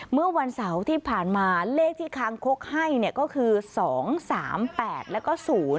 เมื่อวันเสาร์ที่ผ่านมาเลขที่ค้างคกให้ก็คือ๒๓๘แล้วก็๐๕